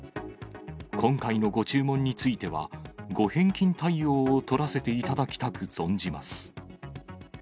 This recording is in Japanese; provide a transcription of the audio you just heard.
今回のご注文については、ご返金対応を取らせていただきたく存じます。